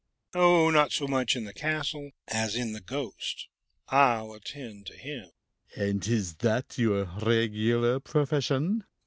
"Oh, not so much in the castle as in the ghost. I'll attend to him." "And is that your regular profession?"